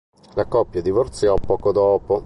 La coppia divorziò poco dopo.